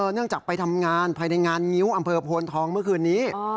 เนื่องจากไปทำงานภายในงานงิ้วอำเภอโพนทองเมื่อคืนนี้